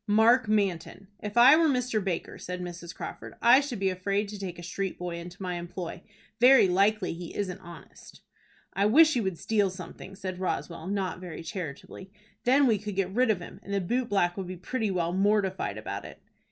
"Mark Manton." "If I were Mr. Baker," said Mrs. Crawford, "I should be afraid to take a street boy into my employ. Very likely he isn't honest." "I wish he would steal something," said Roswell, not very charitably. "Then we could get rid of him, and the boot black would be pretty well mortified about it."